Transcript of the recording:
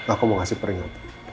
aku mau kasih peringatan